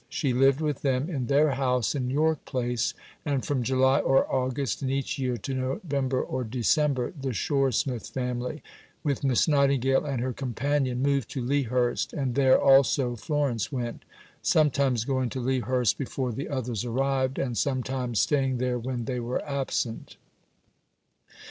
She lived with them in their house in York Place, and from July or August in each year to November or December the Shore Smith family, with Mrs. Nightingale and her companion, moved to Lea Hurst, and there also Florence went sometimes going to Lea Hurst before the others arrived, and sometimes staying there when they were absent.